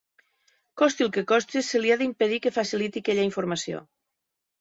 Costi el que costi, se li ha d'impedir que faciliti aquella informació.